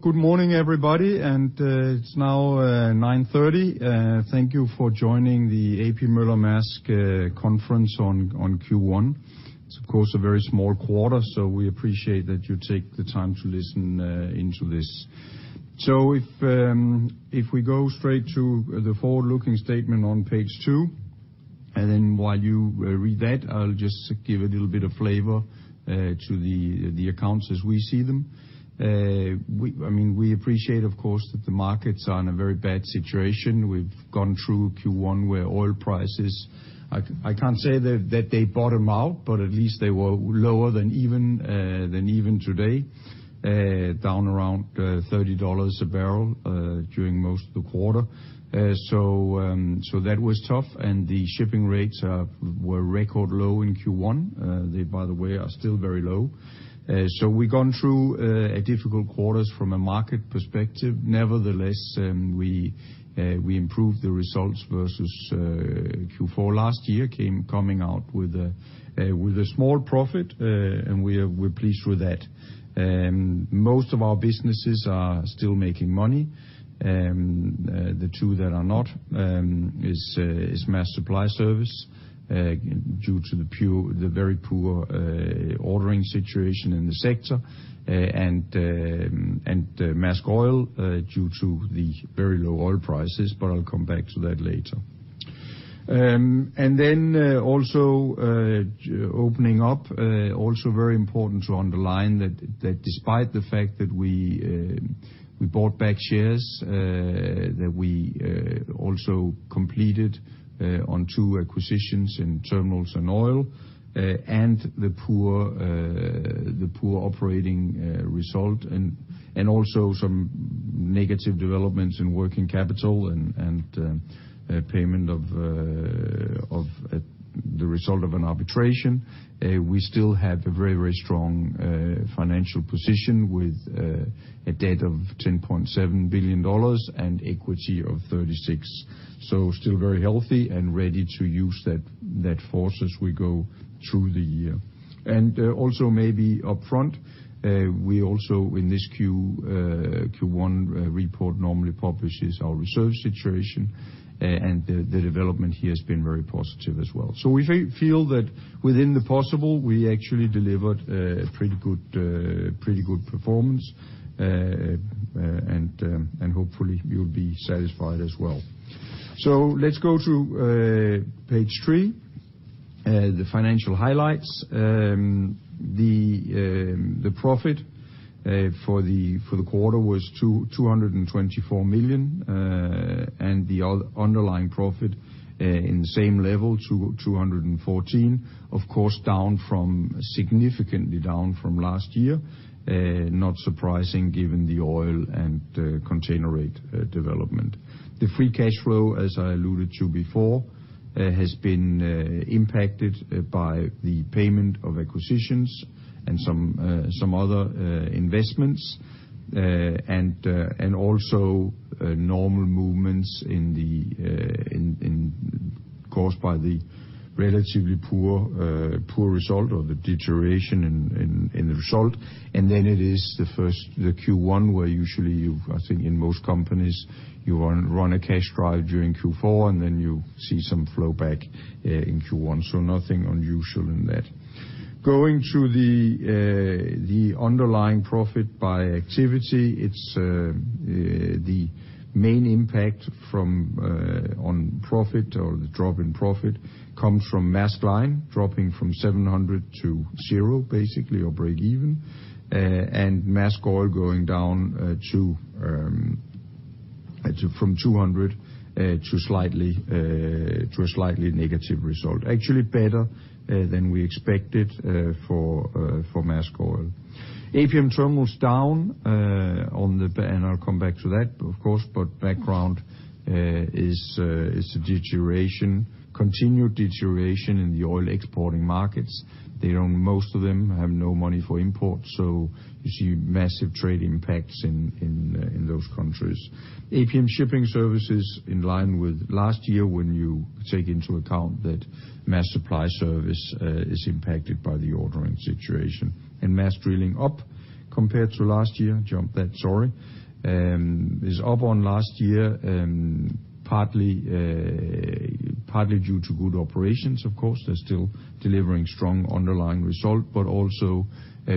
Good morning, everybody. It's now 9:30 A.M. Thank you for joining the A.P. Møller - Mærsk Conference on Q1. It's of course a very small quarter, so we appreciate that you take the time to listen into this. If we go straight to the forward-looking statement on page two, and then while you read that, I'll just give a little bit of flavor to the accounts as we see them. I mean, we appreciate of course that the markets are in a very bad situation. We've gone through Q1 where oil prices, I can't say that they bottom out, but at least they were lower than even today, down around $30 a barrel during most of the quarter. That was tough. The shipping rates were record low in Q1. They, by the way, are still very low. We've gone through a difficult quarter from a market perspective. Nevertheless, we improved the results versus Q4 last year, coming out with a small profit. We're pleased with that. Most of our businesses are still making money. The two that are not are Maersk Supply Service, due to the very poor ordering situation in the sector, and Maersk Oil, due to the very low oil prices, but I'll come back to that later. Opening up, also very important to underline that despite the fact that we bought back shares, that we also completed on two acquisitions in terminals and oil, and the poor operating result and some negative developments in working capital and payment of the result of an arbitration. We still have a very strong financial position with a debt of $10.7 billion and equity of $36 billion. Still very healthy and ready to use that force as we go through the year. Also maybe upfront, we also in this Q1 report normally publishes our reserve situation. And the development here has been very positive as well. We feel that within the possible, we actually delivered a pretty good performance. Hopefully you'll be satisfied as well. Let's go to page three. The financial highlights. The profit for the quarter was $224 million. The underlying profit in the same level $214 million. Of course, down significantly from last year. Not surprising given the oil and container rate development. The free cash flow, as I alluded to before, has been impacted by the payment of acquisitions and some other investments. Normal movements in the NWC caused by the relatively poor result or the deterioration in the result. It is the first, the Q1, where usually you, I think in most companies, you run a cash drive during Q4, and then you see some flow back in Q1, so nothing unusual in that. Going through the underlying profit by activity, it's the main impact on profit or the drop in profit comes from Maersk Line dropping from $700 to $0, basically, or breakeven. Maersk Oil going down from $200 to a slightly negative result. Actually better than we expected for Maersk Oil. APM Terminals down, and I'll come back to that, of course. Background is a continued deterioration in the oil exporting markets. They own, most of them have no money for import, so you see massive trade impacts in those countries. APM Shipping Services in line with last year when you take into account that Maersk Supply Service is impacted by the ordering situation. Maersk Drilling up compared to last year. Is up on last year, partly due to good operations, of course. They're still delivering strong underlying result, but also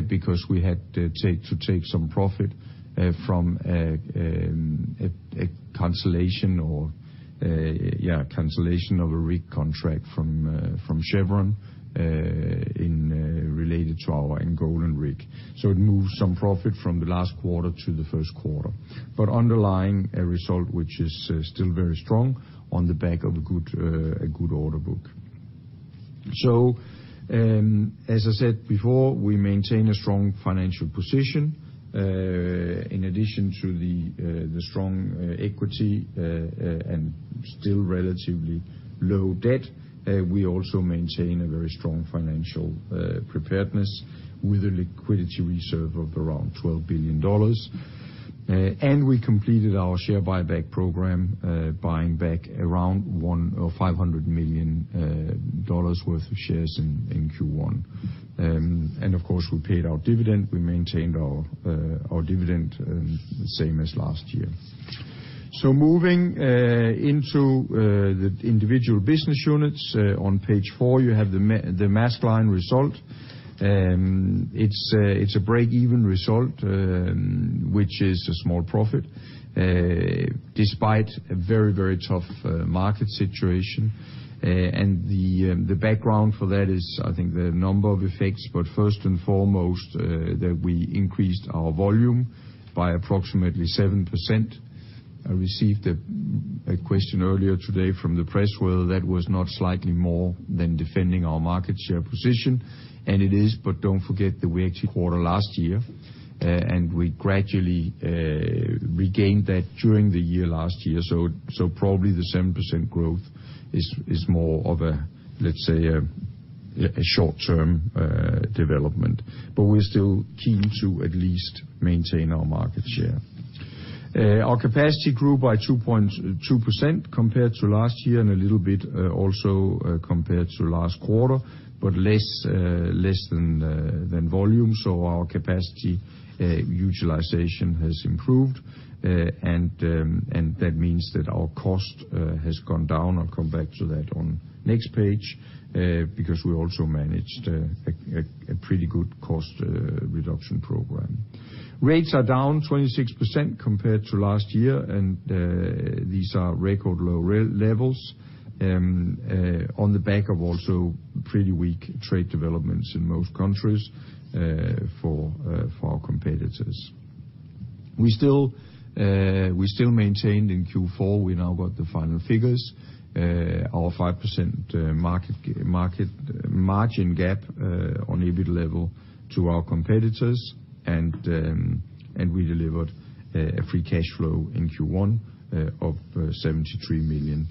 because we had to take some profit from a cancellation of a rig contract from Chevron related to our Angolan rig. So it moved some profit from the last quarter to the first quarter. Underlying a result, which is still very strong on the back of a good order book. As I said before, we maintain a strong financial position. In addition to the strong equity and still relatively low debt, we also maintain a very strong financial preparedness with a liquidity reserve of around $12 billion. We completed our share buyback program, buying back around $105 million worth of shares in Q1. Of course, we paid our dividend. We maintained our dividend same as last year. Moving into the individual business units. On page four, you have the Maersk Line result. It's a break-even result, which is a small profit, despite a very, very tough market situation. The background for that is, I think, the number of effects, but first and foremost, that we increased our volume by approximately 7%. I received a question earlier today from the press whether that was not slightly more than defending our market share position, and it is, but don't forget that we actually lost a quarter last year, and we gradually regained that during the year last year. Probably the 7% growth is more of a, let's say, a short-term development. We're still keen to at least maintain our market share. Our capacity grew by 2.2% compared to last year and a little bit also compared to last quarter, but less than volume. Our capacity utilization has improved. That means that our cost has gone down. I'll come back to that on next page because we also managed a pretty good cost reduction program. Rates are down 26% compared to last year, and these are record low levels on the back of also pretty weak trade developments in most countries for our competitors. We still maintained in Q4, we now got the final figures, our 5% market margin gap on EBIT level to our competitors. We delivered a free cash flow in Q1 of $73 million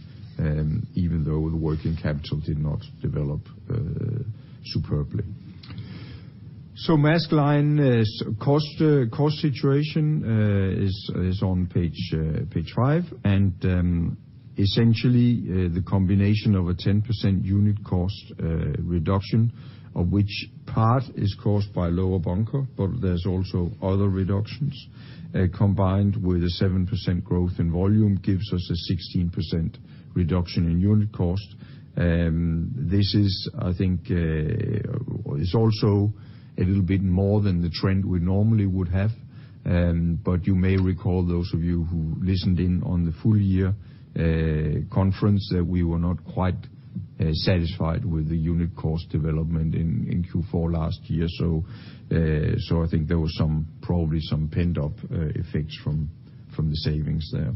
even though the working capital did not develop superbly. Maersk Line cost situation is on page five. Essentially, the combination of a 10% unit cost reduction, of which part is caused by lower bunker, but there's also other reductions, combined with a 7% growth in volume, gives us a 16% reduction in unit cost. This is, I think, also a little bit more than the trend we normally would have. But you may recall, those of you who listened in on the full year conference, that we were not quite satisfied with the unit cost development in Q4 last year. I think there was some, probably some pent-up effects from the savings there.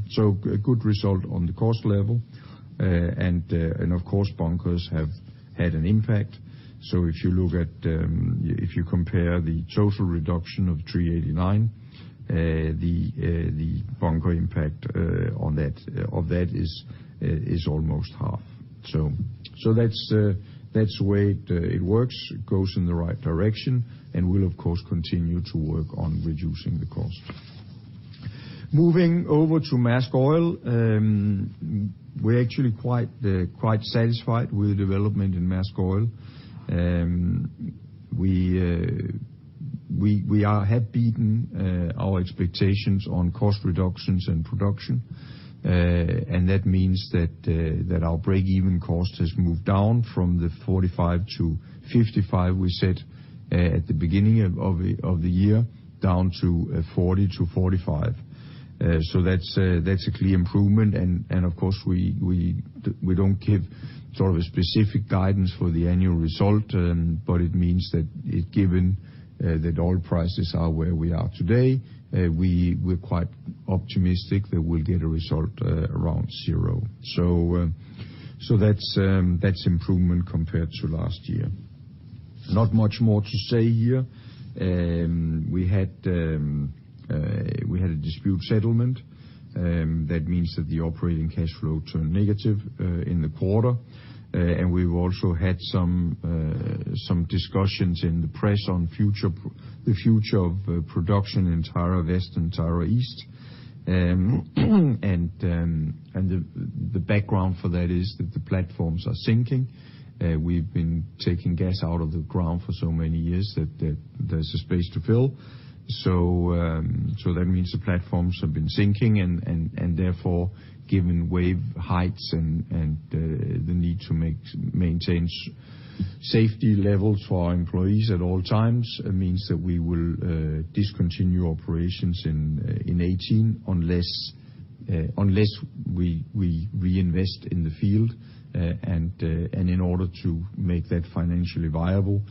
A good result on the cost level. Of course, bunkers have had an impact. If you compare the total reduction of $389, the bunker impact on that is almost half. That's the way it works. It goes in the right direction. We'll of course continue to work on reducing the cost. Moving over to Maersk Oil, we're actually quite satisfied with the development in Maersk Oil. We have beaten our expectations on cost reductions and production. That means that our break-even cost has moved down from the $45-$55 we set at the beginning of the year, down to $40-$45. That's a clear improvement. Of course, we don't give sort of a specific guidance for the annual result, but it means that, given that oil prices are where we are today, we're quite optimistic that we'll get a result around zero. That's improvement compared to last year. Not much more to say here. We had a dispute settlement that means that the operating cash flow turned negative in the quarter. We've also had some discussions in the press on the future of production in Tyra West and Tyra East. The background for that is that the platforms are sinking. We've been taking gas out of the ground for so many years that there's a space to fill. That means the platforms have been sinking and therefore, given wave heights and the need to maintain safety levels for our employees at all times, it means that we will discontinue operations in 2018, unless we reinvest in the field. In order to make that financially viable,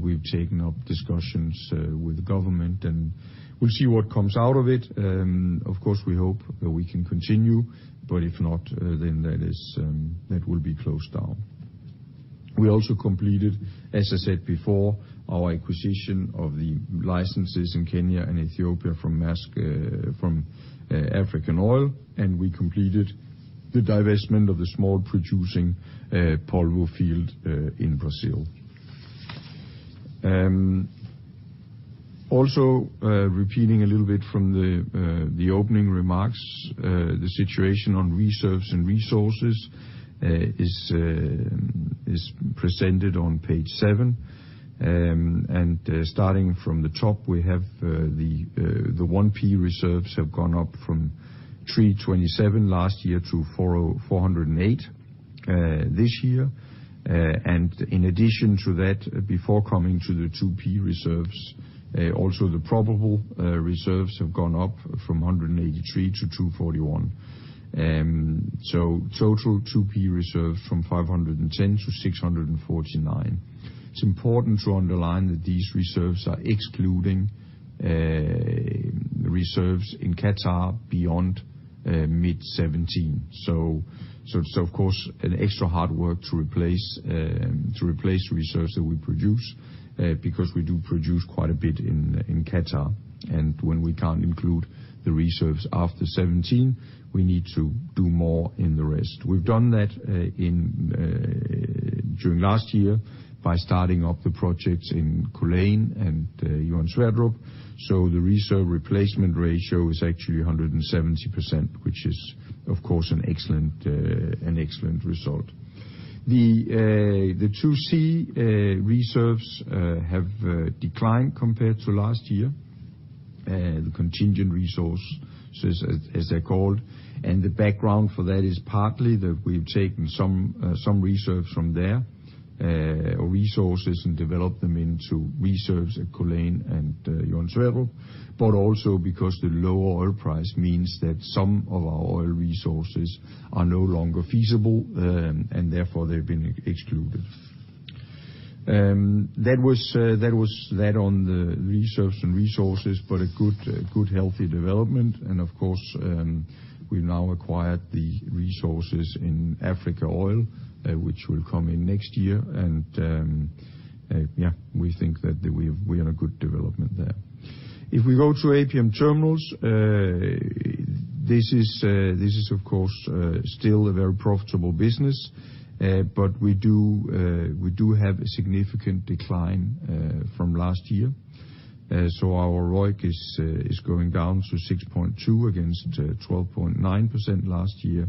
we've taken up discussions with the government, and we'll see what comes out of it. Of course, we hope that we can continue, but if not, then that will be closed down. We also completed, as I said before, our acquisition of the licenses in Kenya and Ethiopia from Africa Oil, and we completed the divestment of the small producing Polvo field in Brazil. Also, repeating a little bit from the opening remarks, the situation on reserves and resources is presented on page seven. Starting from the top, we have the 1P reserves have gone up from 327 million boe last year to 404 million boe this year, and in addition to that, before coming to the 2P reserves, also the probable reserves have gone up from 183 million boe to 241 million boe. Total 2P reserve from 510 million boe to 649 million boe. It's important to underline that these reserves are excluding reserves in Qatar beyond mid-2017. Of course, an extra hard work to replace reserves that we produce because we do produce quite a bit in Qatar. When we can't include the reserves after 2017, we need to do more in the rest. We've done that during last year by starting up the projects in Culzean and Johan Sverdrup. The Reserve Replacement Ratio is actually 170%, which is, of course, an excellent result. The 2C reserves have declined compared to last year. The contingent resources, as they're called. The background for that is partly that we've taken some reserves from there or resources and developed them into reserves at Culzean and Johan Sverdrup. Also because the lower oil price means that some of our oil resources are no longer feasible and therefore they've been excluded. That was that on the reserves and resources, but a good healthy development. Of course we now acquired the resources in Africa Oil Corp. which will come in next year. We think that we are in a good development there. If we go to APM Terminals, this is of course still a very profitable business. But we do have a significant decline from last year. Our ROIC is going down to 6.2% against 12.9% last year.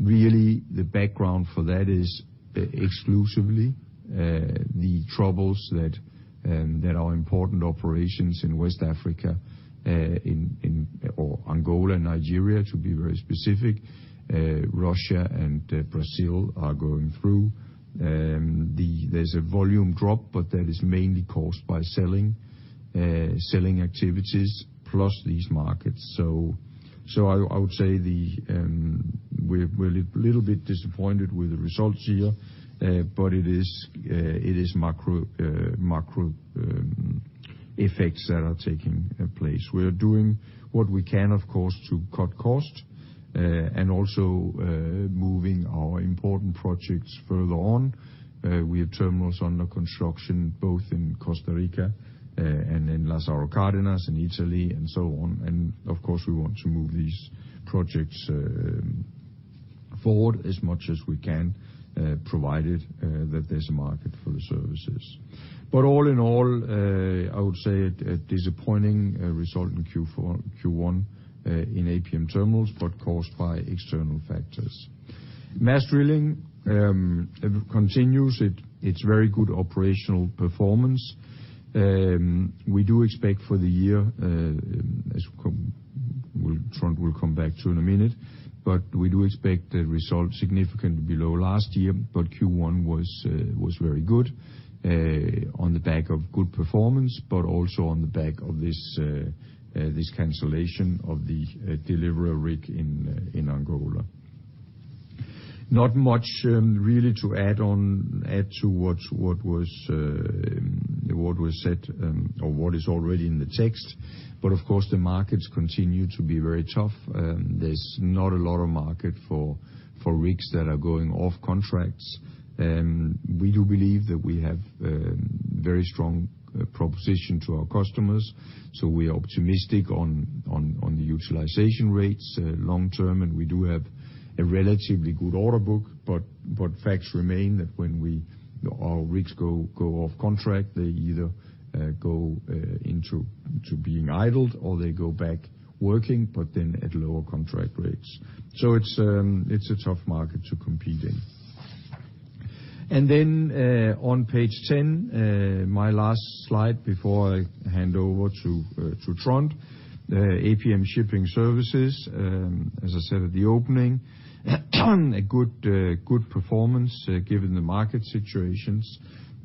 Really, the background for that is exclusively the troubles that our important operations in West Africa in Angola and Nigeria, to be very specific, Russia and Brazil are going through. There's a volume drop, but that is mainly caused by selling activities plus these markets. I would say we're a little bit disappointed with the results here. It is macro effects that are taking place. We're doing what we can, of course, to cut costs, and also moving our important projects further on. We have terminals under construction both in Costa Rica, and in Lázaro Cárdenas in Mexico, and so on. Of course, we want to move these projects forward as much as we can, provided that there's a market for the services. All in all, I would say a disappointing result in Q4, Q1, in APM Terminals, but caused by external factors. Mærsk Drilling continues its very good operational performance. We do expect for the year, Trond will come back to in a minute. We do expect the result significantly below last year. Q1 was very good on the back of good performance, but also on the back of this cancellation of the Mærsk Deliverer rig in Angola. Not much really to add to what was said or what is already in the text. Of course, the markets continue to be very tough. There's not a lot of market for rigs that are going off contracts. We do believe that we have a very strong proposition to our customers, so we are optimistic on the utilization rates long term. We do have a relatively good order book. What facts remain that when our rigs go off contract, they either go into being idled or they go back working, but then at lower contract rates. It's a tough market to compete in. On page 10, my last slide before I hand over to Trond. APM Shipping Services, as I said at the opening, a good performance given the market situations.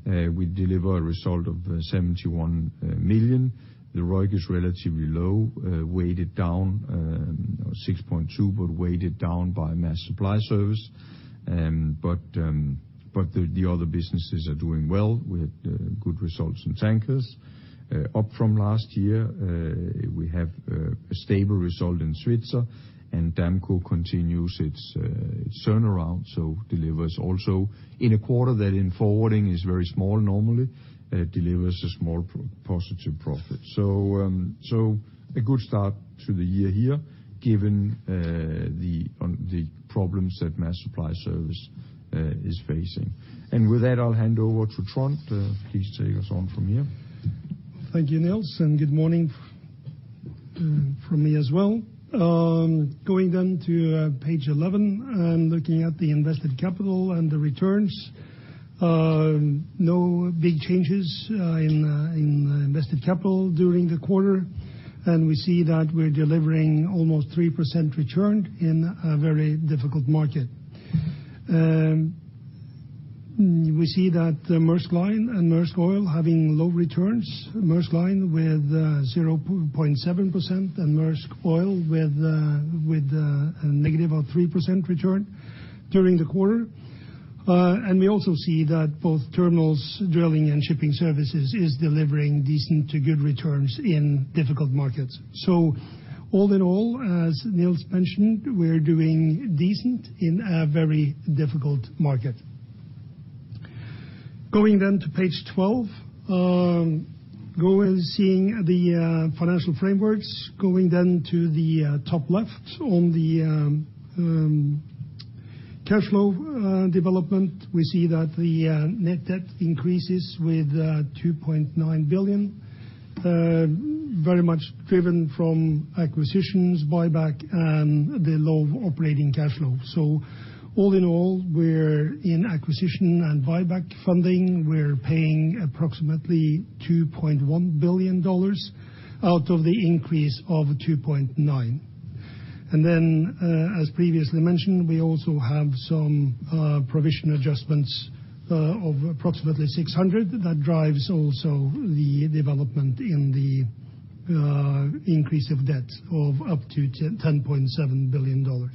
We deliver a result of $71 million. The ROIC is relatively low, weighted down 6.2%, but weighted down by Maersk Supply Service. The other businesses are doing well. We had good results in tankers, up from last year. We have a stable result in Svitzer and Damco continues its turnaround. Delivers also in a quarter that in forwarding is very small normally, delivers a small positive profit. A good start to the year here, given the problems that Maersk Supply Service is facing. With that, I'll hand over to Trond. Please take us on from here. Thank you, Nils, and good morning from me as well. Going to page 11 and looking at the invested capital and the returns. No big changes in invested capital during the quarter. We see that we're delivering almost 3% return in a very difficult market. We see that Maersk Line and Maersk Oil having low returns. Maersk Line with 0.7% and Maersk Oil with a negative of 3% return during the quarter. We also see that both terminals, drilling and shipping services is delivering decent to good returns in difficult markets. All in all, as Nils mentioned, we're doing decent in a very difficult market. Going to page 12, seeing the financial frameworks. Going then to the top left on the cash flow development, we see that the net debt increases with $2.9 billion very much driven from acquisitions, buyback and the low operating cash flow. All in all, we're in acquisition and buyback funding. We're paying approximately $2.1 billion out of the increase of $2.9 billion. As previously mentioned, we also have some provision adjustments of approximately $600 million. That drives also the development in the increase of debt of up to $10.7 billion.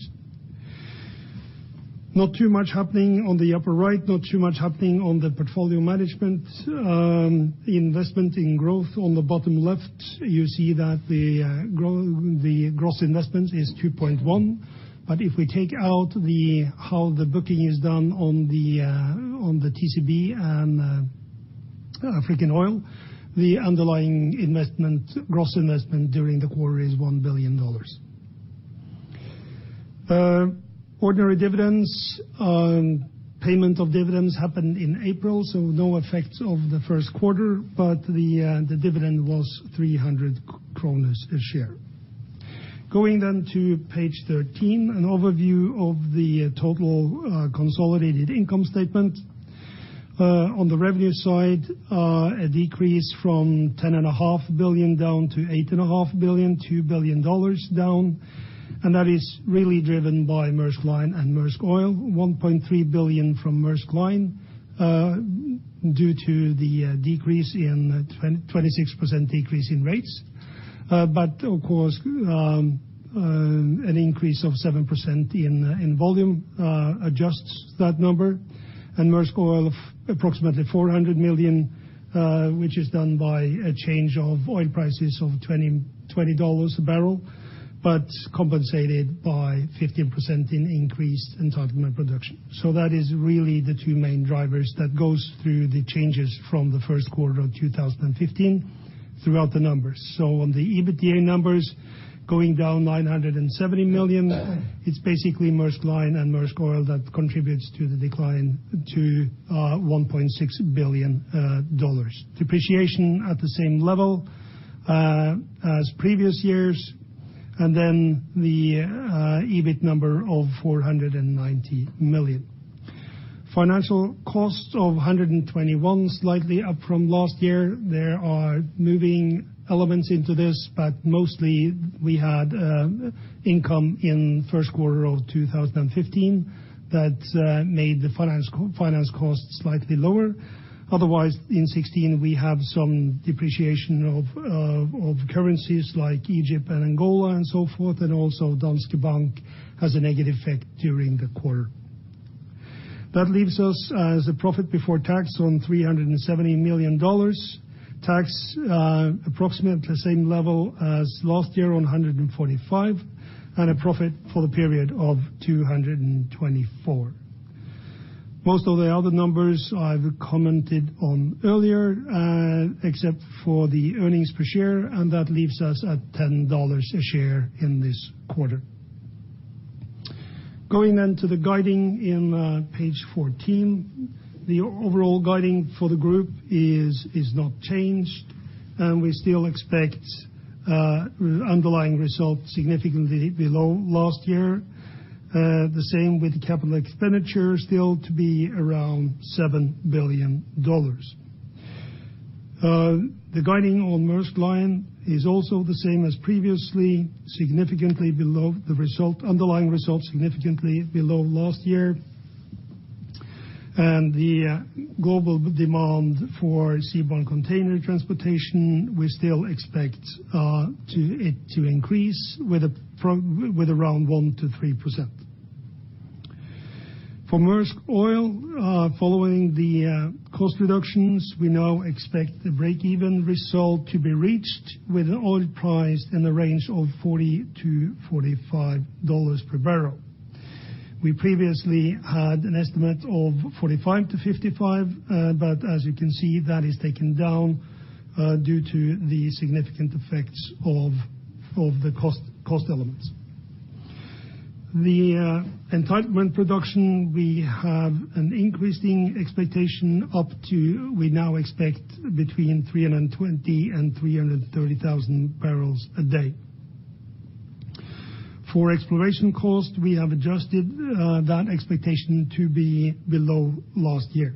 Not too much happening on the upper right, not too much happening on the portfolio management. Investment in growth on the bottom left, you see that the gross investment is $2.1 billion. If we take out how the booking is done on the TCB and Africa Oil Corp., the underlying investment, gross investment during the quarter is $1 billion. Ordinary dividends. Payment of dividends happened in April, so no effects of the first quarter, but the dividend was 300 kroner a share. Going to page 13, an overview of the total consolidated income statement. On the revenue side, a decrease from $10.5 billion down to $8.5 billion, $2 billion down. That is really driven by Maersk Line and Maersk Oil, $1.3 billion from Maersk Line, due to the 26% decrease in rates. Of course, an increase of 7% in volume adjusts that number. Maersk Oil of approximately $400 million, which is done by a change of oil prices of 20 dollars a barrel, but compensated by 15% in increased entitlement production. That is really the two main drivers that goes through the changes from the first quarter of 2015 throughout the numbers. On the EBITDA numbers, going down $970 million, it's basically Maersk Line and Maersk Oil that contributes to the decline to $1.6 billion dollars. Depreciation at the same level as previous years, and then the EBIT number of $490 million. Financial costs of $121 million, slightly up from last year. There are moving elements into this, but mostly we had income in first quarter of 2015 that made the finance co-finance costs slightly lower. Otherwise, in 2016, we have some depreciation of currencies like Egypt and Angola and so forth. Also, Danske Bank has a negative effect during the quarter. That leaves us with a profit before tax of $370 million. Tax approximately the same level as last year of $145 million, and a profit for the period of $224 million. Most of the other numbers I've commented on earlier, except for the earnings per share, and that leaves us at $10 a share in this quarter. Going to the guidance on page 14. The overall guidance for the group is not changed, and we still expect underlying results significantly below last year. The same with capital expenditure, still to be around $7 billion. The guidance on Maersk Line is also the same as previously, significantly below the results, underlying results significantly below last year. The global demand for seaborne container transportation, we still expect to increase with around 1%-3%. For Maersk Oil, following the cost reductions, we now expect the break-even result to be reached with an oil price in the range of $40-$45 per barrel. We previously had an estimate of $45-$55, but as you can see, that is taken down due to the significant effects of the cost elements. The entitlement production, we have an increasing expectation up to we now expect between 320,000 and 330,000 barrels a day. For exploration cost, we have adjusted that expectation to be below last year.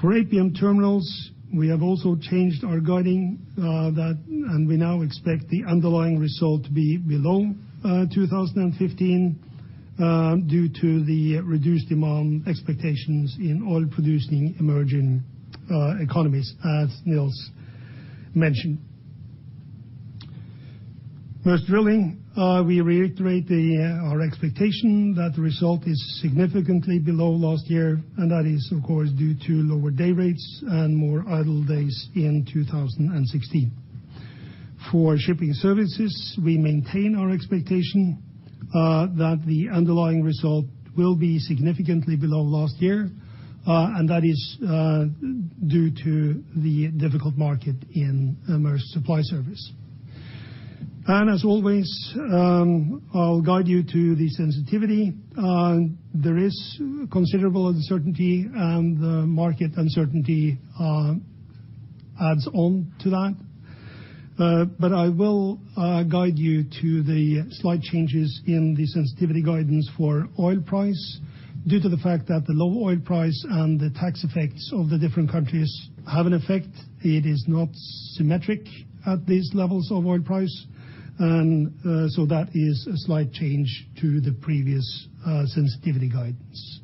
For APM Terminals, we have also changed our guidance, that, and we now expect the underlying result to be below 2015 due to the reduced demand expectations in oil-producing emerging economies as Nils mentioned. Maersk Drilling, we reiterate our expectation that the result is significantly below last year, and that is of course due to lower day rates and more idle days in 2016. For shipping services, we maintain our expectation that the underlying result will be significantly below last year, and that is due to the difficult market in Maersk Supply Service. As always, I'll guide you to the sensitivity. There is considerable uncertainty and the market uncertainty adds on to that. I will guide you to the slight changes in the sensitivity guidance for oil price due to the fact that the low oil price and the tax effects of the different countries have an effect. It is not symmetric at these levels of oil price. That is a slight change to the previous sensitivity guidance.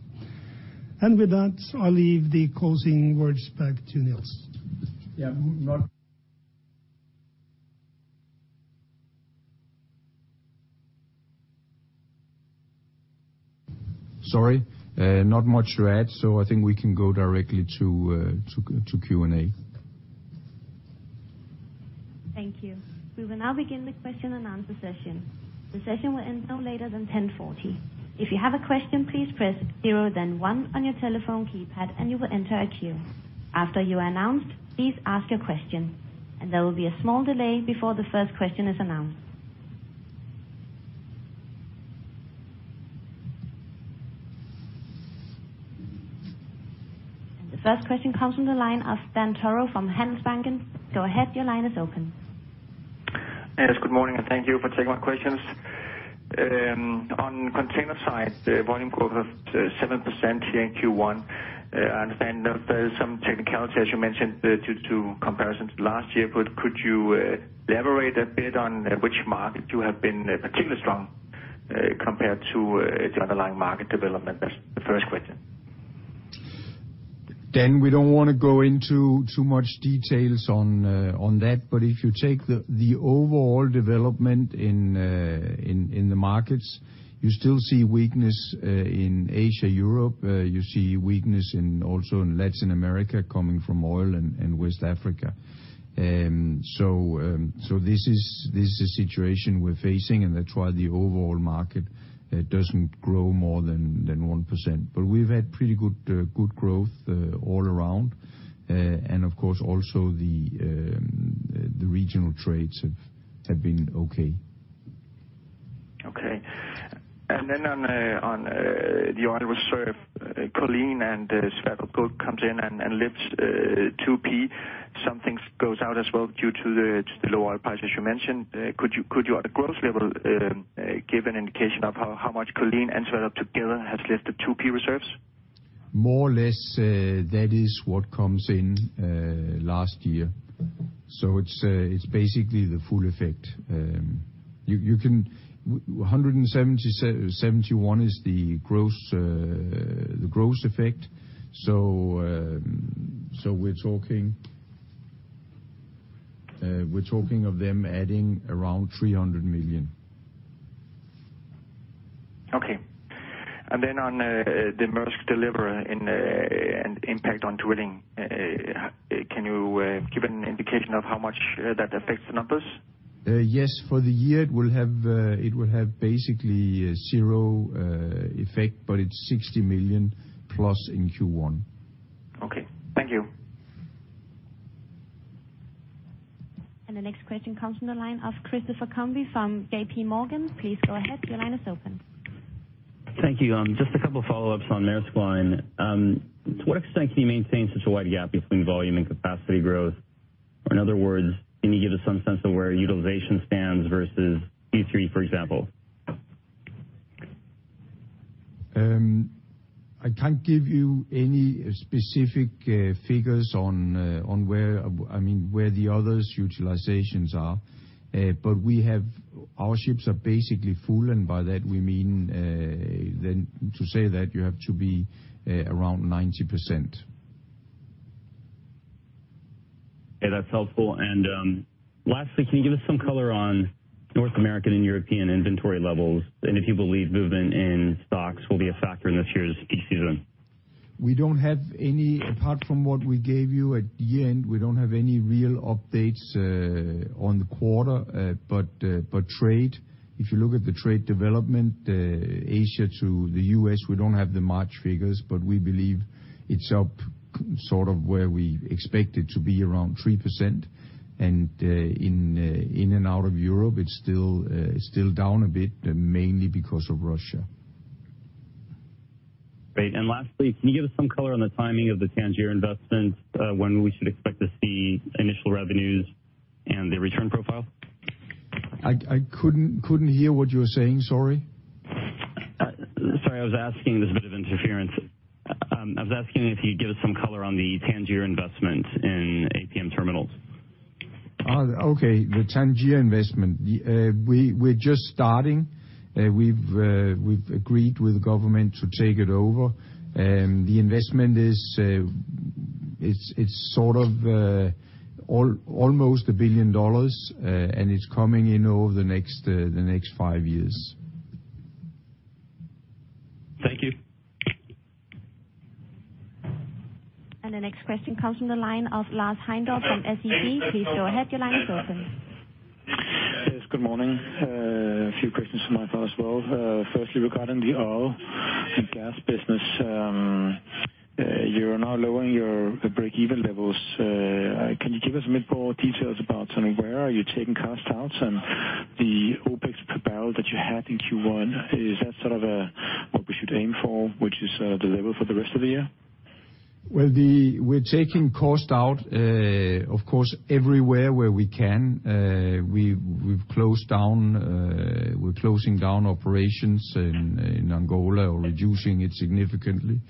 With that, I'll leave the closing words back to Nils. Yeah. Sorry, not much to add, so I think we can go directly to Q&A. Thank you. We will now begin the question-and-answer session. The session will end no later than 10:40. If you have a question, please press zero then one on your telephone keypad, and you will enter a queue. After you are announced, please ask your question. There will be a small delay before the first question is announced. The first question comes from the line of Dan Togo from Handelsbanken. Go ahead, your line is open. Yes, good morning, and thank you for taking my questions. On container side, the volume growth of 7% here in Q1, I understand that there is some technicality, as you mentioned, due to comparisons to last year. Could you elaborate a bit on which market you have been particularly strong compared to the underlying market development? That's the first question. Dan, we don't wanna go into too much details on that. If you take the overall development in the markets, you still see weakness in Asia, Europe. You see weakness also in Latin America coming from oil and West Africa. This is the situation we're facing, and that's why the overall market doesn't grow more than 1%. We've had pretty good growth all around. Of course, also the regional trades have been okay. Okay. On the overall reserve, acquisitions and discoveries come in and lift 2P. Some things go out as well due to the low oil price, as you mentioned. Could you at a gross level give an indication of how much acquisitions and discoveries together have lifted 2P reserves? More or less, that is what comes in last year. It's basically the full effect. 171 is the gross effect. We're talking of them adding around $300 million. Okay. On the Mærsk Deliverer and impact on drilling, can you give an indication of how much that affects the numbers? Yes. For the year, it will have basically zero effect, but it's $60 million plus in Q1. Okay. Thank you. The next question comes from the line of Christopher Combé from JPMorgan. Please go ahead, your line is open. Thank you. Just a couple follow-ups on Maersk Line. To what extent can you maintain such a wide gap between volume and capacity growth? In other words, can you give us some sense of where utilization stands versus P3, for example? I can't give you any specific figures on, I mean, where the others' utilizations are. Our ships are basically full, and by that we mean then to say that you have to be around 90%. Okay, that's helpful. Lastly, can you give us some color on North American and European inventory levels, and if you believe movement in stocks will be a factor in this year's peak season? We don't have any, apart from what we gave you at year-end, we don't have any real updates on the quarter. Trade, if you look at the trade development, Asia to the U.S., we don't have the March figures, but we believe it's up sort of where we expect it to be, around 3%. In and out of Europe, it's still down a bit, mainly because of Russia. Great. Lastly, can you give us some color on the timing of the Tangier investments, when we should expect to see initial revenues and the return profile? I couldn't hear what you were saying. Sorry. Sorry, I was asking. There's a bit of interference. I was asking if you'd give us some color on the Tangier investment in APM Terminals. Okay. The Tangier investment. We're just starting. We've agreed with the government to take it over. The investment is almost $1 billion. It's coming in over the next five years. Thank you. The next question comes from the line of Lars Heindorff from SEB. Please go ahead. Your line is open. Yes, good morning. A few questions from my part as well. Firstly, regarding the oil and gas business. You're now lowering your break-even levels. Can you give us a bit more details about sort of where are you taking costs out and the OPEX per barrel that you had in Q1, is that sort of what we should aim for, which is the level for the rest of the year? Well, we're taking cost out, of course, everywhere where we can. We've closed down, we're closing down operations in Angola or reducing it significantly.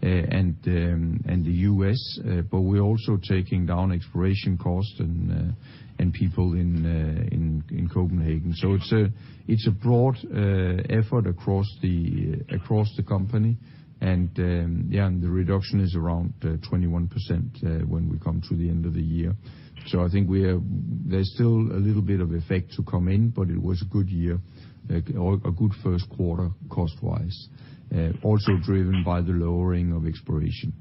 And the U.S., but we're also taking down exploration costs and people in Copenhagen. It's a broad effort across the company. The reduction is around 21% when we come to the end of the year. I think there's still a little bit of effect to come in, but it was a good year, like, or a good first quarter cost-wise. Also driven by the lowering of exploration.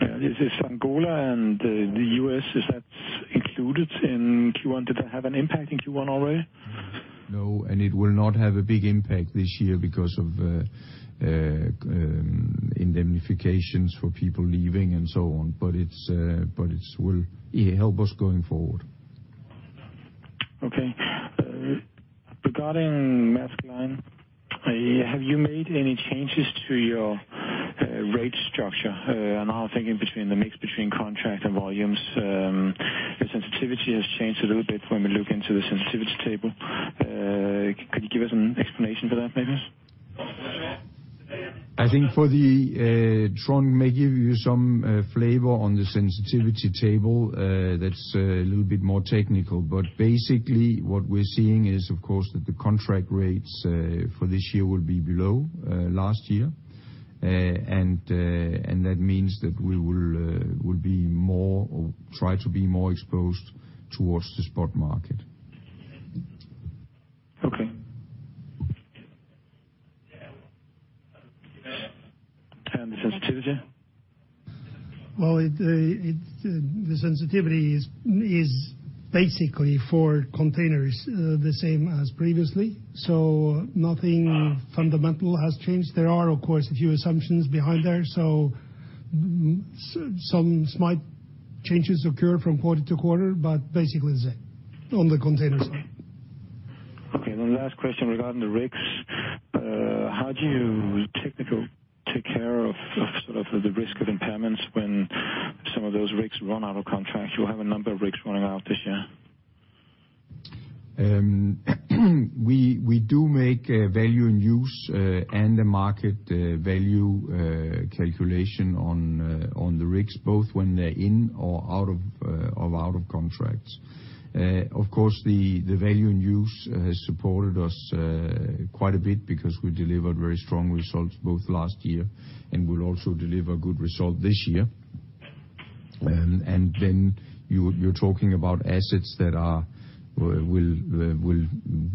Is this Angola and the US, is that included in Q1? Did they have an impact in Q1 already? No, it will not have a big impact this year because of indemnifications for people leaving and so on. It will, yeah, help us going forward. Okay. Regarding Maersk Line, have you made any changes to your rate structure? I'm thinking the mix between contract and volumes, the sensitivity has changed a little bit when we look into the sensitivity table. Could you give us an explanation for that, maybe? I think Trond may give you some flavor on the sensitivity table. That's a little bit more technical, but basically what we're seeing is, of course, that the contract rates for this year will be below last year. That means that we will be more or try to be more exposed towards the spot market. Okay. The sensitivity? Well, the sensitivity is basically for containers, the same as previously. Nothing fundamental has changed. There are, of course, a few assumptions behind there, so some slight changes occur from quarter to quarter, but basically the same on the container side. Okay. One last question regarding the rigs. How do you take care of sort of the risk of impairments when some of those rigs run out of contracts? You have a number of rigs running out this year. We do make value in use and the market value calculation on the rigs, both when they're in or out of contracts. Of course, the value in use has supported us quite a bit because we delivered very strong results both last year and will also deliver good result this year. Then you're talking about assets that will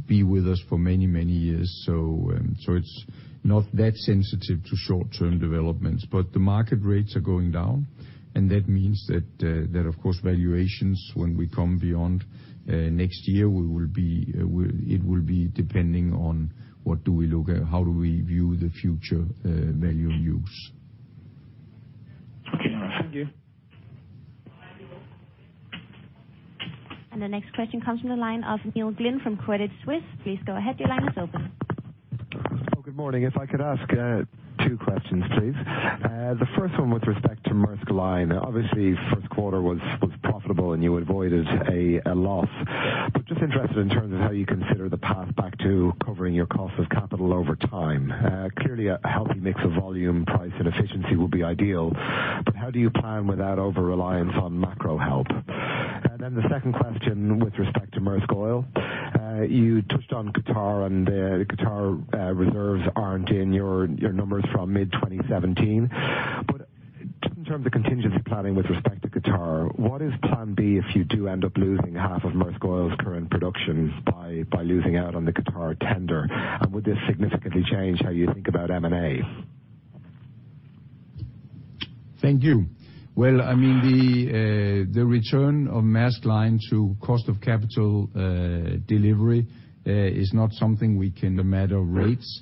be with us for many years. It's not that sensitive to short-term developments. The market rates are going down, and that means that of course, valuations, when we come beyond next year, it will be depending on what do we look at, how do we view the future value in use. Okay. Thank you. The next question comes from the line of Neil Glynn from Credit Suisse. Please go ahead. Your line is open. Oh, good morning. If I could ask two questions, please. The first one with respect to Maersk Line. Obviously, first quarter was profitable and you avoided a loss. Just interested in terms of how you consider the path back to covering your cost of capital over time. Clearly a healthy mix of volume, price, and efficiency would be ideal, but how do you plan without over-reliance on macro help? The second question with respect to Maersk Oil. You touched on Qatar, and Qatar reserves aren't in your numbers from mid-2017. Just in terms of contingency planning with respect to Qatar, what is plan B if you do end up losing half of Maersk Oil's current production by losing out on the Qatar tender? Would this significantly change how you think about M&A? Thank you. Well, I mean, the return on Maersk Line to cost of capital is not something we can no matter the rates.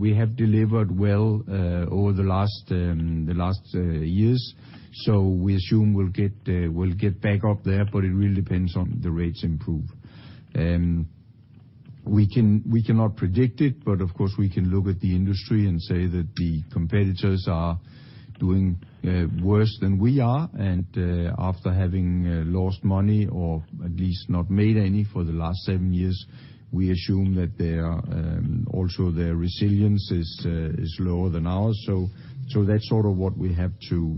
We have delivered well over the last years. We assume we'll get back up there, but it really depends on the rates improve. We cannot predict it, but of course, we can look at the industry and say that the competitors are doing worse than we are. After having lost money or at least not made any for the last 7 years, we assume that their resilience is lower than ours. That's sort of what we have to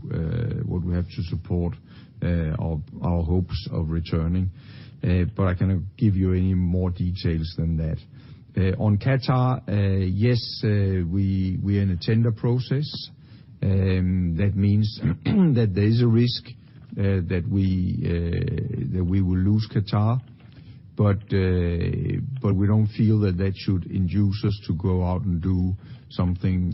support our hopes of returning. I cannot give you any more details than that. On Qatar, yes, we're in a tender process. That means that there is a risk that we will lose Qatar. We don't feel that that should induce us to go out and do something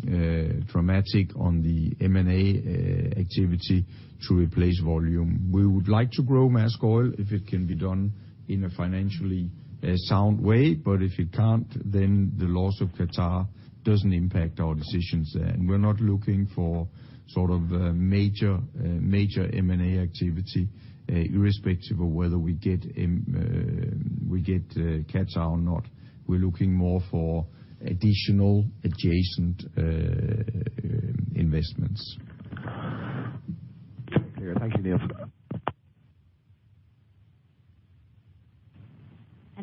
dramatic on the M&A activity to replace volume. We would like to grow Maersk Oil, if it can be done in a financially sound way. If it can't, then the loss of Qatar doesn't impact our decisions there. We're not looking for sort of major M&A activity irrespective of whether we get Qatar or not. We're looking more for additional adjacent investments. Clear. Thank you,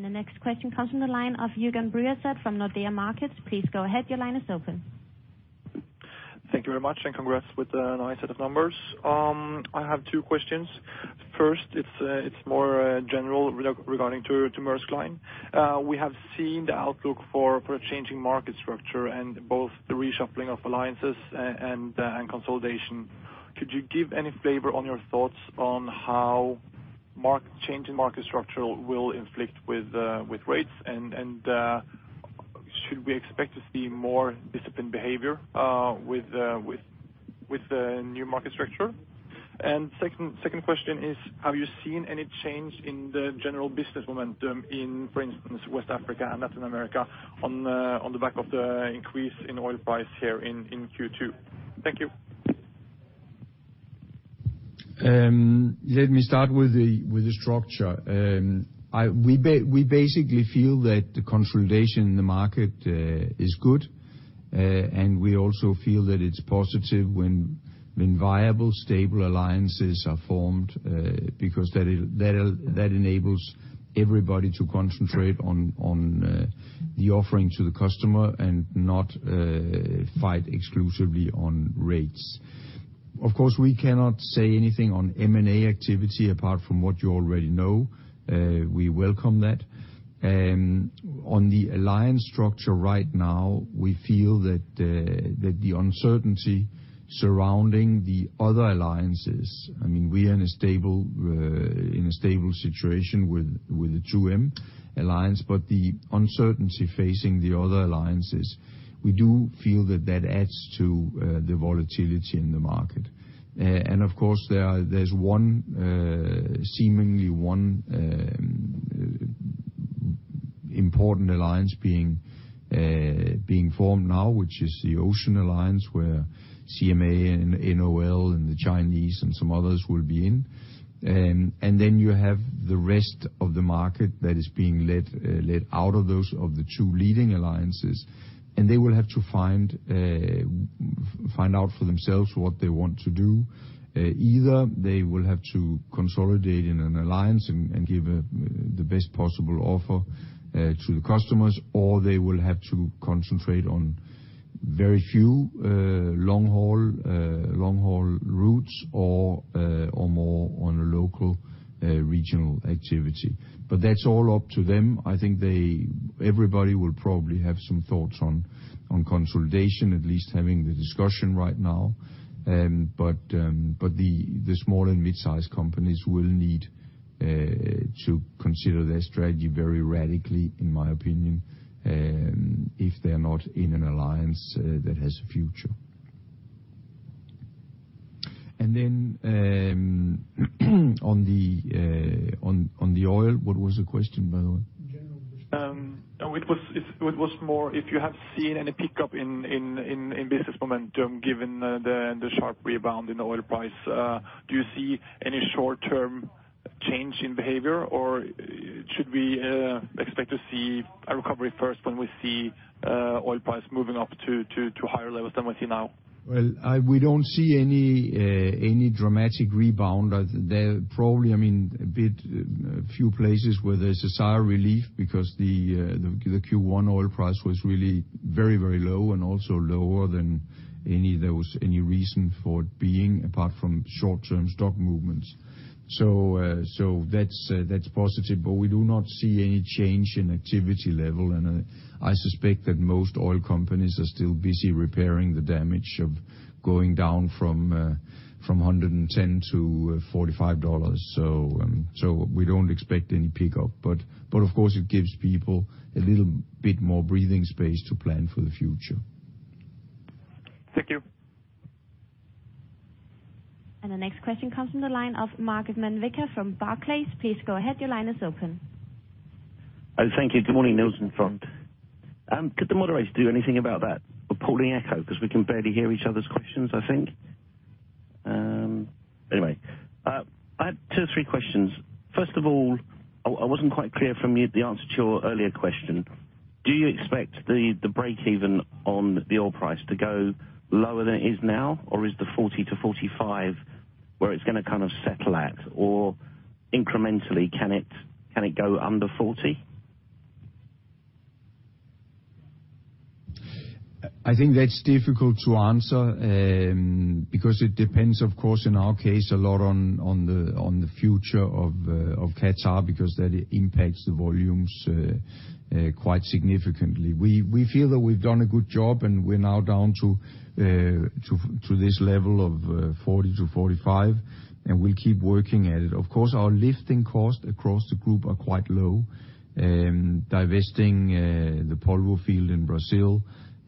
Nils. The next question comes from the line of Jørgen Bruaset from Nordea Markets. Please go ahead. Your line is open. Thank you very much, and congrats with the nice set of numbers. I have two questions. First, it's more general regarding to Maersk Line. We have seen the outlook for a changing market structure and both the reshuffling of alliances and consolidation. Could you give any flavor on your thoughts on how the change in market structure will impact on rates? Should we expect to see more disciplined behavior with the new market structure? Second question is, have you seen any change in the general business momentum in, for instance, West Africa and Latin America on the back of the increase in oil price here in Q2? Thank you. Let me start with the structure. We basically feel that the consolidation in the market is good. We also feel that it's positive when viable stable alliances are formed, because that'll enables everybody to concentrate on the offering to the customer and not fight exclusively on rates. Of course, we cannot say anything on M&A activity apart from what you already know. We welcome that. On the alliance structure right now, we feel that the uncertainty surrounding the other alliances, I mean, we are in a stable situation with the 2M alliance, but the uncertainty facing the other alliances, we do feel that adds to the volatility in the market. Of course, there is one seemingly important alliance being formed now, which is the OCEAN Alliance, where CMA and NOL and the Chinese and some others will be in. Then you have the rest of the market that is being led out of those of the two leading alliances, and they will have to find out for themselves what they want to do. Either they will have to consolidate in an alliance and give the best possible offer to the customers, or they will have to concentrate on very few long-haul routes or more on a local regional activity. That's all up to them. I think they, everybody will probably have some thoughts on consolidation, at least having the discussion right now. Small and midsize companies will need to consider their strategy very radically, in my opinion, if they are not in an alliance that has a future. On the oil, what was the question, by the way? It was more if you have seen any pickup in business momentum, given the sharp rebound in oil price. Do you see any short-term change in behavior, or should we expect to see a recovery first when we see oil price moving up to higher levels than we see now? Well, we don't see any dramatic rebound. There probably, I mean, a bit, a few places where there's a sigh of relief because the Q1 oil price was really very, very low and also lower than there was any reason for it being, apart from short-term stock movements. That's positive, but we do not see any change in activity level. I suspect that most oil companies are still busy repairing the damage of going down from $110-$45. We don't expect any pickup. Of course, it gives people a little bit more breathing space to plan for the future. Thank you. The next question comes from the line of Mark McVicar from Barclays. Please go ahead. Your line is open. Oh, thank you. Good morning, Nils and Trond. Could the moderator do anything about that reporting echo, 'cause we can barely hear each other's questions? Anyway. I have two or three questions. First of all, I wasn't quite clear from you, the answer to your earlier question. Do you expect the break even on the oil price to go lower than it is now? Or is the $40-$45 where it's gonna kind of settle at? Or incrementally, can it go under $40? I think that's difficult to answer. Because it depends, of course, in our case, a lot on the future of Qatar because that impacts the volumes quite significantly. We feel that we've done a good job, and we're now down to this level of $40-$45, and we'll keep working at it. Of course, our lifting costs across the group are quite low. Divesting the Polvo field in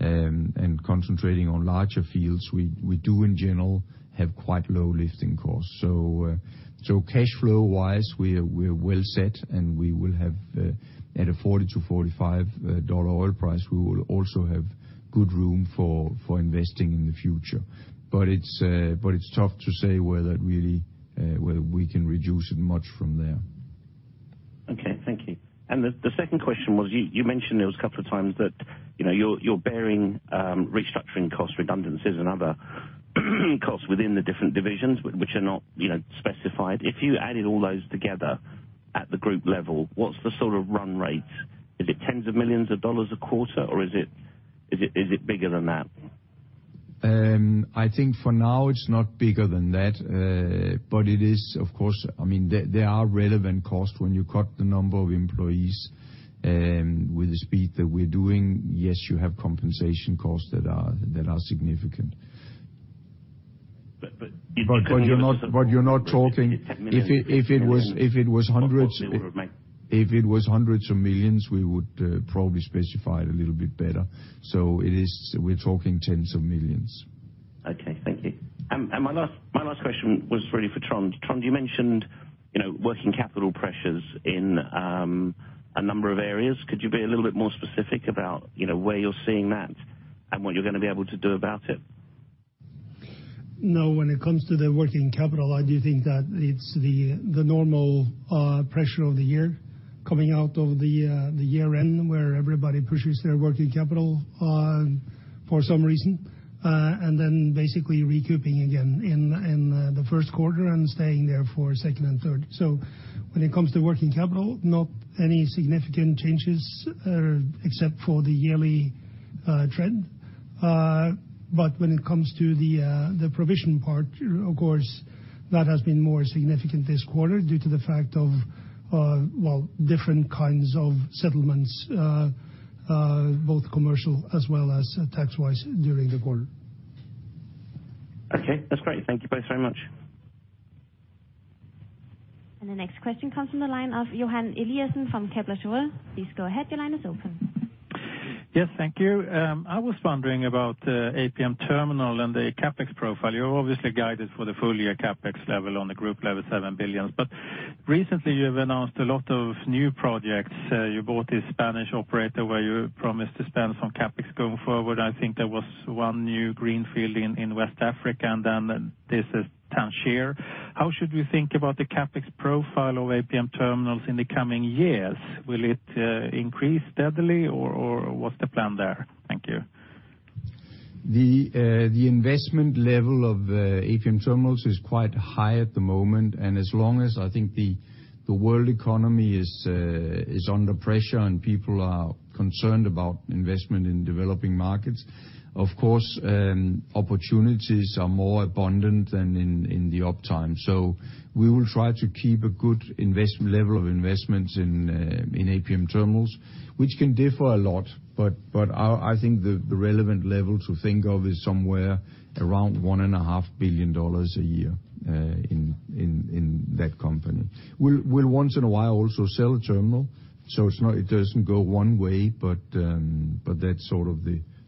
Brazil and concentrating on larger fields, we do in general have quite low lifting costs. Cashflow-wise, we're well set, and we will have at a $40-$45 dollar oil price, we will also have good room for investing in the future. It's tough to say whether we can reduce it much from there. Okay. Thank you. The second question was you mentioned, Nils, a couple of times that, you know, you're bearing restructuring cost redundancies and other costs within the different divisions, which are not, you know, specified. If you added all those together at the group level, what's the sort of run rate? Is it $10s of millions a quarter, or is it bigger than that? I think for now, it's not bigger than that. It is, of course, I mean, there are relevant costs when you cut the number of employees, with the speed that we're doing. Yes, you have compensation costs that are significant. But, but if you- You're not talking. Is it tens of millions? If it was hundreds. Of course, it would remain. If it was hundreds of millions, we would probably specify it a little bit better. It is, we're talking tens of millions. Okay. Thank you. My last question was really for Trond. Trond, you mentioned, you know, working capital pressures in a number of areas. Could you be a little bit more specific about, you know, where you're seeing that and what you're gonna be able to do about it? No. When it comes to the working capital, I do think that it's the normal pressure of the year coming out of the year-end, where everybody pushes their working capital for some reason. Basically recouping again in the first quarter and staying there for second and third. When it comes to working capital, not any significant changes except for the yearly trend. When it comes to the provision part, of course, that has been more significant this quarter due to the fact of well, different kinds of settlements both commercial as well as tax-wise during the quarter. Okay, that's great. Thank you both very much. The next question comes from the line of Johan Eliason from Kepler Cheuvreux. Please go ahead. Your line is open. Yes. Thank you. I was wondering about APM Terminals and the CapEx profile. You obviously guided for the full-year CapEx level on the group level, $7 billion. But recently, you have announced a lot of new projects. You bought a Spanish operator where you promised to spend some CapEx going forward. I think there was one new greenfield in West Africa, and then there's Tangier. How should we think about the CapEx profile of APM Terminals in the coming years? Will it increase steadily, or what's the plan there? Thank you. The investment level of APM Terminals is quite high at the moment. As long as I think the world economy is under pressure and people are concerned about investment in developing markets, of course, opportunities are more abundant than in the upturn. We will try to keep a good level of investments in APM Terminals, which can differ a lot, but I think the relevant level to think of is somewhere around $1.5 billion a year in that company. We'll once in a while also sell a terminal, it's not, it doesn't go one way. That's sort of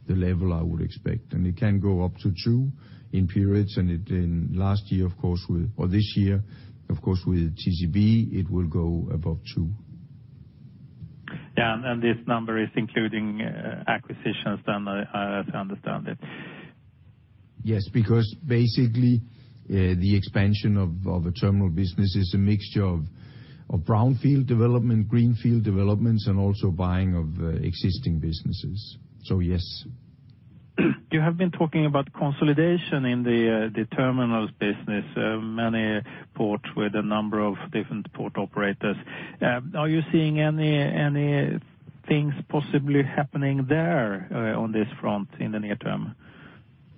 the level I would expect. It can go up to $2 billion in periods, and in last year, of course, with. This year, of course, with TCB, it will go above two. Yeah. This number is including acquisitions then. I like to understand it. Yes, because basically, the expansion of a terminal business is a mixture of brownfield development, greenfield developments, and also buying of existing businesses. Yes. You have been talking about consolidation in the terminals business, many ports with a number of different port operators. Are you seeing any things possibly happening there, on this front in the near term?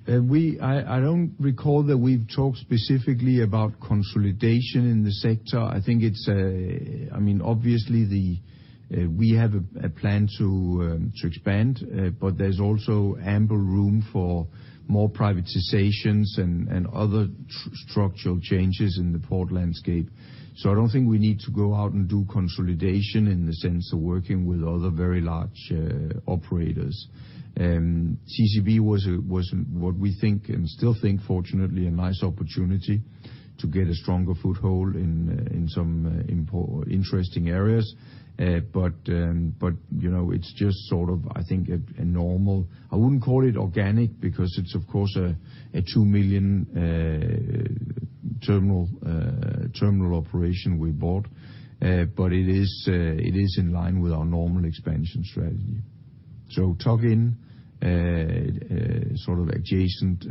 I don't recall that we've talked specifically about consolidation in the sector. I think it's, I mean, obviously. We have a plan to expand, but there's also ample room for more privatizations and other structural changes in the port landscape. I don't think we need to go out and do consolidation in the sense of working with other very large operators. TCB was what we think and still think, fortunately, a nice opportunity to get a stronger foothold in some interesting areas. But, you know, it's just sort of, I think, a normal. I wouldn't call it organic because it's of course a $2 million terminal operation we bought. But it is in line with our normal expansion strategy. Tuck-in, sort of adjacent,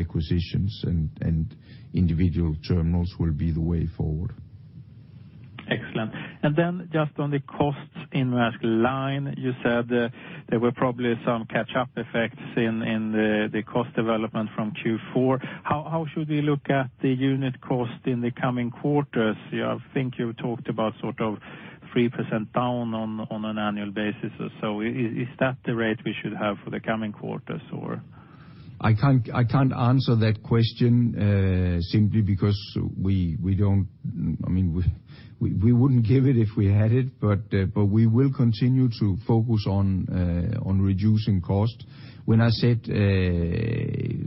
acquisitions and individual terminals will be the way forward. Excellent. Just on the costs in Maersk Line, you said there were probably some catch-up effects in the cost development from Q4. How should we look at the unit cost in the coming quarters? Yeah, I think you talked about sort of 3% down on an annual basis or so. Is that the rate we should have for the coming quarters or? I can't answer that question simply because we don't, I mean, we wouldn't give it if we had it. We will continue to focus on reducing cost. When I said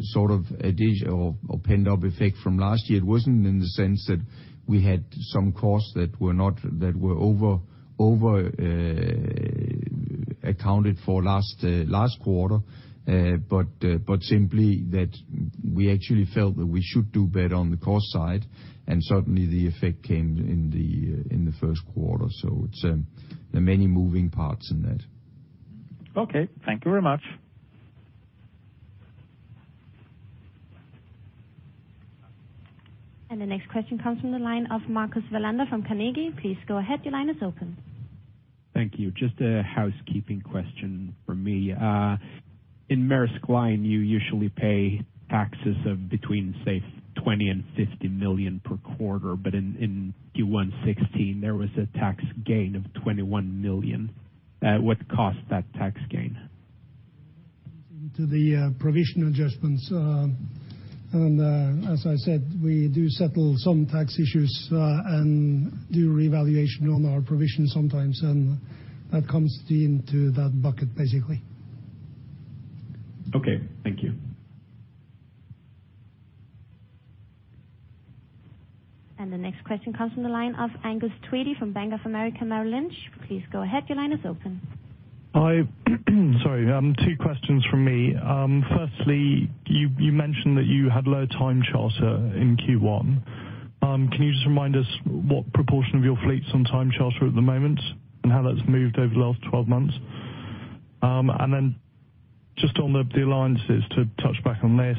sort of a pent-up effect from last year, it wasn't in the sense that we had some costs that were overaccounted for last quarter. Simply that we actually felt that we should do better on the cost side, and certainly the effect came in the first quarter. There are many moving parts in that. Okay. Thank you very much. The next question comes from the line of Marcus Bellander from Carnegie. Please go ahead. Your line is open. Thank you. Just a housekeeping question from me. In Maersk Line, you usually pay taxes of between, say, $20 million and $50 million per quarter. In Q1 2016, there was a tax gain of $21 million. What caused that tax gain? To the provision adjustments. As I said, we do settle some tax issues, and do revaluation on our provision sometimes, and that comes into that bucket, basically. Okay. Thank you. The next question comes from the line of Angus Tweedie from Bank of America Merrill Lynch. Please go ahead. Your line is open. Sorry, two questions from me. Firstly, you mentioned that you had low time charter in Q1. Can you just remind us what proportion of your fleet's on time charter at the moment, and how that's moved over the last 12 months? Then just on the alliances to touch base on this,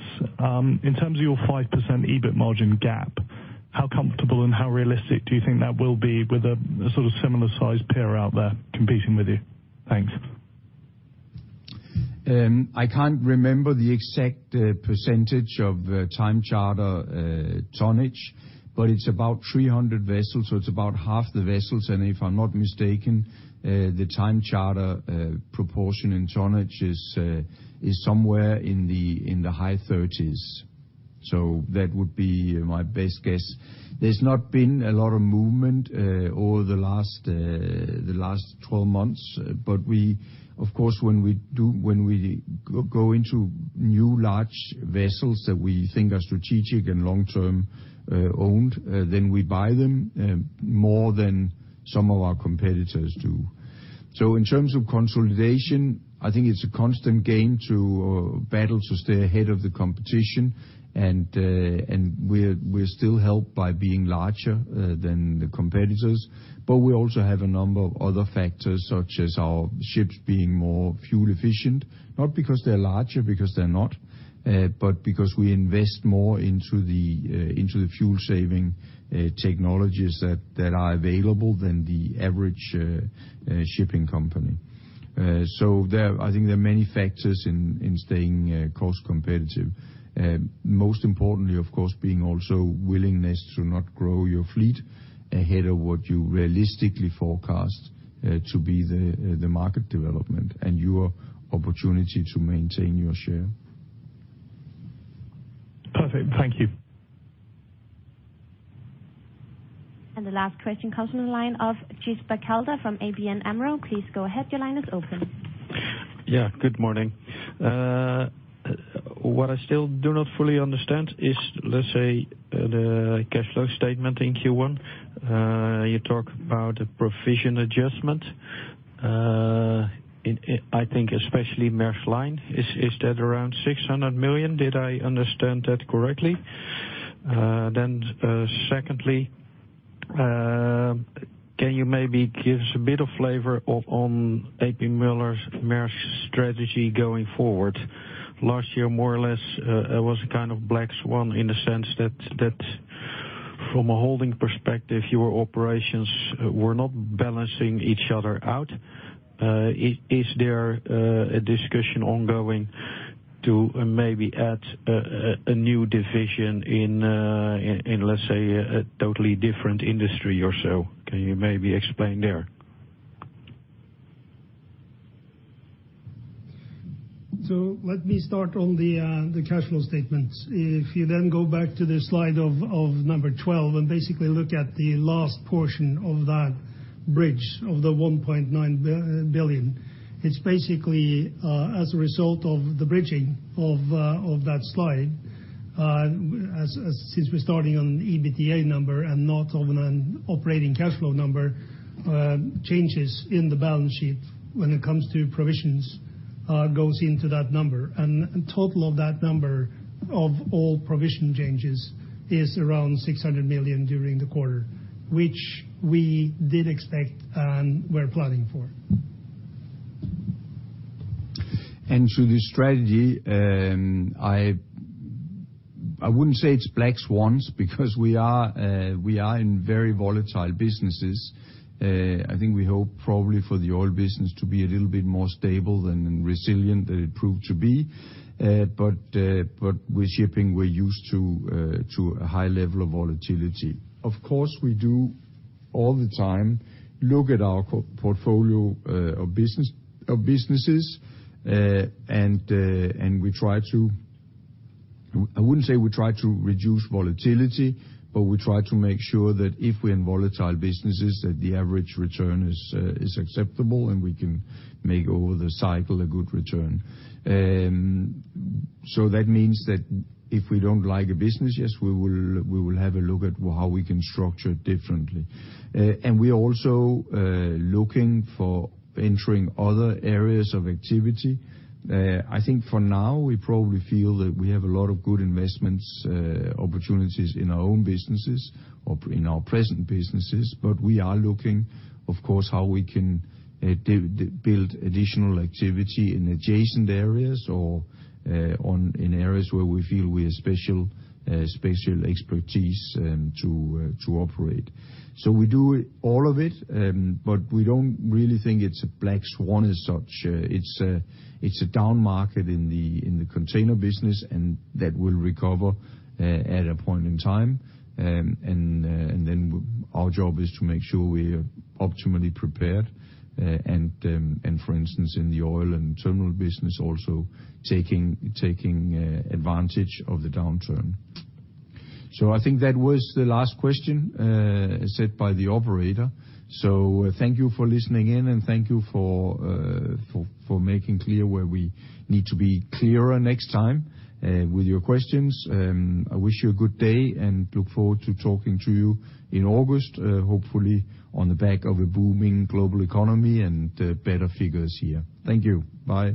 in terms of your 5% EBIT margin gap, how comfortable and how realistic do you think that will be with a sort of similar size peer out there competing with you? Thanks. I can't remember the exact percentage of time charter tonnage, but it's about 300 vessels, so it's about half the vessels. If I'm not mistaken, the time charter proportion in tonnage is somewhere in the high 30s%. That would be my best guess. There's not been a lot of movement over the last 12 months. We, of course, when we go into new large vessels that we think are strategic and long-term owned, then we buy them more than some of our competitors do. In terms of consolidation, I think it's a constant game to battle to stay ahead of the competition. We're still helped by being larger than the competitors. We also have a number of other factors, such as our ships being more fuel efficient, not because they're larger, because they're not, but because we invest more into the fuel saving technologies that are available than the average shipping company. There, I think there are many factors in staying cost competitive. Most importantly, of course, being also willingness to not grow your fleet ahead of what you realistically forecast to be the market development and your opportunity to maintain your share. Perfect. Thank you. The last question comes from the line of Thijs Berkelder from ABN AMRO. Please go ahead. Your line is open. Good morning. What I still do not fully understand is, let's say, the cash flow statement in Q1. You talk about a provision adjustment in, I think especially Maersk Line. Is that around $600 million? Did I understand that correctly? Then, secondly, can you maybe give us a bit of flavor on A.P. Møller - Maersk's strategy going forward? Last year, more or less, it was a kind of black swan in the sense that from a holding perspective, your operations were not balancing each other out. Is there a discussion ongoing to maybe add a new division in, let's say, a totally different industry or so? Can you maybe explain there? Let me start on the cash flow statement. If you then go back to the slide of number 12 and basically look at the last portion of that bridge, of the $1.9 billion. It's basically as a result of the bridging of that slide, since we're starting on EBITDA number and not on an operating cash flow number, changes in the balance sheet when it comes to provisions goes into that number. Total of that number of all provision changes is around $600 million during the quarter, which we did expect and were planning for. To the strategy, I wouldn't say it's black swans, because we are in very volatile businesses. I think we hope probably for the oil business to be a little bit more stable and resilient than it proved to be. With shipping, we're used to a high level of volatility. Of course, we do all the time look at our portfolio of businesses, and I wouldn't say we try to reduce volatility, but we try to make sure that if we're in volatile businesses, that the average return is acceptable and we can make over the cycle a good return. That means that if we don't like a business, yes, we will have a look at how we can structure it differently. We are also looking for entering other areas of activity. I think for now, we probably feel that we have a lot of good investments opportunities in our own businesses or in our present businesses. We are looking, of course, how we can build additional activity in adjacent areas or on, in areas where we feel we have special expertise to operate. We do all of it, but we don't really think it's a black swan as such. It's a down market in the container business, and that will recover at a point in time. Then our job is to make sure we are optimally prepared and for instance, in the oil and terminal business, also taking advantage of the downturn. I think that was the last question said by the operator. Thank you for listening in, and thank you for making clear where we need to be clearer next time with your questions. I wish you a good day and look forward to talking to you in August, hopefully on the back of a booming global economy and better figures here. Thank you. Bye.